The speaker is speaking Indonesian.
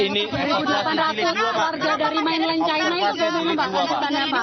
ya ini dari satu delapan ratus warga dari mainland china itu memang evakuasi lanjutannya pak